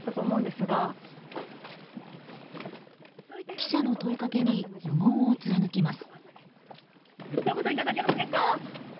記者の問いかけに無言を貫きます。